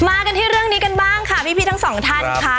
มากันที่เรื่องนี้กันบ้างค่ะพี่ทั้งสองท่านค่ะ